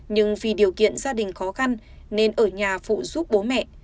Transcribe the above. nhưng vì điều kiện gia đình khó khăn nên ở nhà phụ giúp bố mẹ